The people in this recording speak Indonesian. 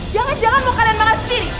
jangan jangan mau kalian makan sendiri